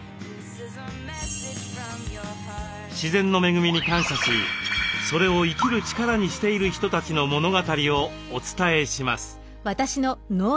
自然の恵みに感謝しそれを生きる力にしている人たちの物語をお伝えします。